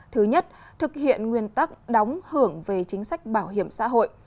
thứ nhất thực hiện nguyên tắc đóng hưởng về chính sách bảo hiểm xã hội